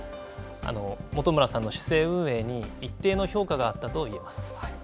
本村さんの市政運営に一定の評価があったといえます。